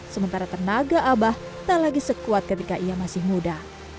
sementara tenaga abah tak lagi sekuat ketika ia masih muda